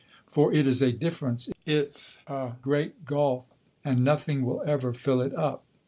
For it is a difference it 's a great gulf, and nothing will ever fill it up.